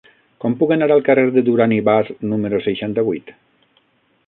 Com puc anar al carrer de Duran i Bas número seixanta-vuit?